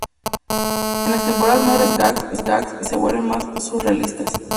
En las temporadas más recientes, los gags se vuelven más surrealistas.